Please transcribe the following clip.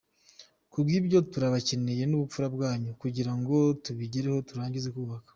Ku bw’ibyo turabacyeneye n’ubupfura bwanyu kugira ngo tubigereho turangize kubaka.